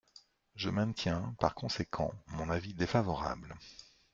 Je maintiens par conséquent mon avis défavorable.